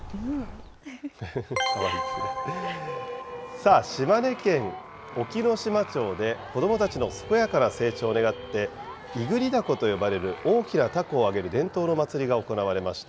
さあ、島根県隠岐の島町で、子どもたちの健やかな成長を願って、いぐり凧と呼ばれる大きなたこを揚げる伝統の祭りが行われました。